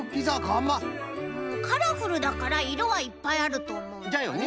カラフルだからいろはいっぱいあるとおもうんだよね。